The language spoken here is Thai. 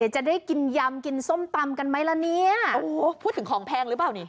จะได้กินยำกินส้มตำกันไหมล่ะเนี่ยโอ้โหพูดถึงของแพงหรือเปล่านี่